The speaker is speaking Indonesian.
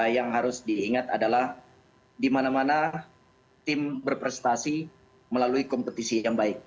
yang harus diingat adalah di mana mana tim berprestasi melalui kompetisi yang baik